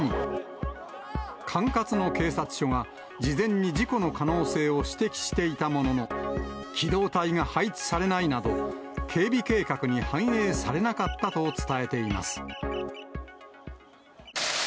管轄の警察署が事前に事故の可能性を指摘していたものの、機動隊が配置されないなど、警備計画に反映されなかったと伝えています。